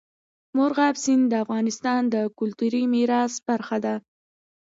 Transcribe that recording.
مورغاب سیند د افغانستان د کلتوري میراث برخه ده.